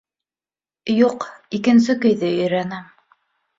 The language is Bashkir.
— Юҡ, икенсе көйҙө өйрәнәм.